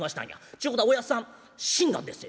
ちゅうことはおやっさん死んだんでっせ」。